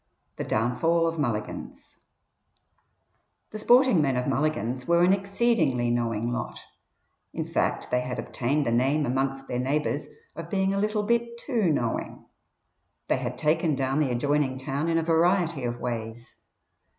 THE DOWNFALL OF MULLIGAN'S The sporting men of Mulligan's were an exceedingly knowing lot; in fact, they had obtained the name amongst their neighbours of being a little bit too knowing. They had "taken down" the adjoining town in a variety of ways.